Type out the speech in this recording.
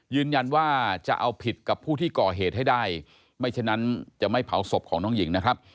ยืนยันว่าจะเอาผิดกับผู้ที่ก่อเหตุให้ได้ไม่ฉะนั้นจะไม่เผาศพของน้องหญิงนะครับ